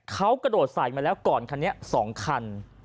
เขากระโดดใส่มาแล้วก่อนคันนี้๒คัน